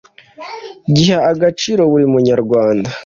giha agaciro buri munyarwanda